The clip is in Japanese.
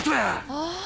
ああ。